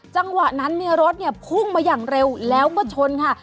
จังหวะนั้นรถเนี่ยผุ่งมาจังเร็วแล้วมะชนค่ะ